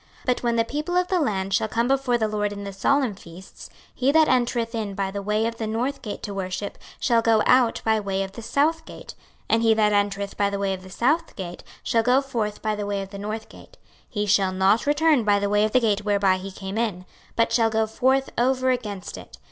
26:046:009 But when the people of the land shall come before the LORD in the solemn feasts, he that entereth in by the way of the north gate to worship shall go out by the way of the south gate; and he that entereth by the way of the south gate shall go forth by the way of the north gate: he shall not return by the way of the gate whereby he came in, but shall go forth over against it.